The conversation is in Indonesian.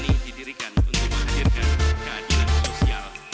ini didirikan untuk menghadirkan keadilan sosial